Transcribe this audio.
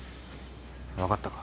分かったか？